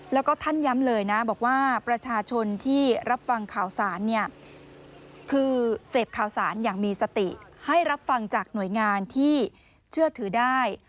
แล้วก็ท่านย้ำเลยนะบอกว่าประชาชนที่รับฟังข่าวสารเนี่ยคือเสพข่าวสารอย่างมีสติให้รับฟังจากหน่วยงานที่เชื่อถือได้